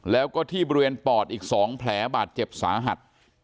แล้วก็ที่บริเวณปอดอีก๒แผลบาดเจ็บสาหัส